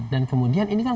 dan kemudian ini kan